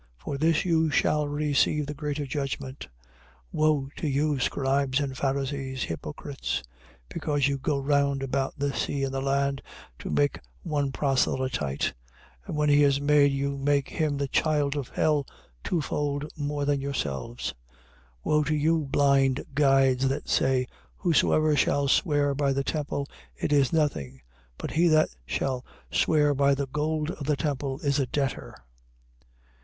For this you shall receive the greater judgment. 23:15. Woe to you, scribes and Pharisees, hypocrites, because you go round about the sea and the land to make one proselyte. And when he is made, you make him the child of hell twofold more than yourselves. 23:16. Woe to you, blind guides, that say, Whosoever shall swear by the temple, it is nothing; but he that shall swear by the gold of the temple is a debtor.